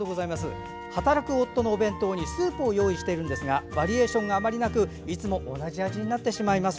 「働く夫のお弁当にスープを用意しているんですがバリエーションがあまりなくいつも同じ味になってしまいます。